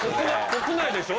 「国内でしょ？